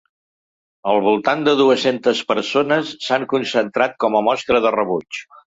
Al voltant de dues-centes persones s'han concentrat com a mostra de rebuig.